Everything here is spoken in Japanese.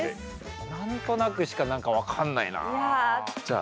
何となくしか何か分かんないなあ。